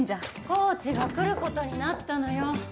コーチが来る事になったのよ。